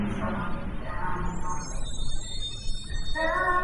现在有从甲南分歧而出的台中港线。